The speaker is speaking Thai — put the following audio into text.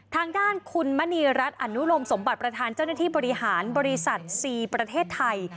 ทางด้านคุณมณีรัฐอนุโลมสมบัติประธานเจ้าหน้าที่บริหารบริษัท๔ประเทศไทย